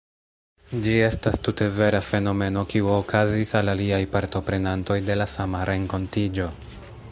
Ĝi estas tute vera fenomeno, kiu okazis al aliaj partoprenantoj de la sama renkontiĝo.